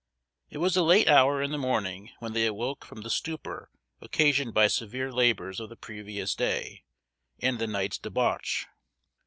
It was a late hour in the morning when they awoke from the stupor occasioned by severe labors of the previous day, and the night's debauch.